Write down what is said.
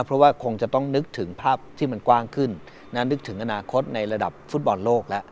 เพราะว่าคงจะต้องนึกถึงภาพที่มันกว้างขึ้นนึกถึงอนาคตในระดับฟุตบอลโลกแล้ว